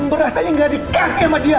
berasanya nggak dikasih sama dia